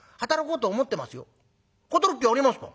「働く気ありますか？」。